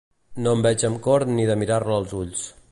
No em veig amb cor ni de mirar-la als ulls.